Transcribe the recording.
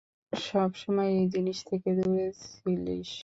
সবসময় এই জিনিস থেকে দুরে ছিলিস তুই!